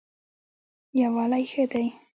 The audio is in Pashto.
یووالی ښه دی.